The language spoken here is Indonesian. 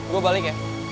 gue balik ya